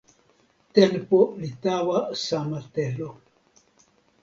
tenpo li tawa sama telo.